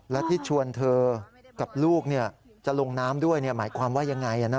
และที่ชวนเธอกับลูกจะลงน้ำด้วยหมายความว่ายังไง